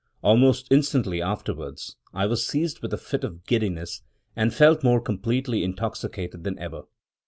Almost instantly afterwards, I was seized with a fit of giddiness, and felt more completely intoxicated than ever.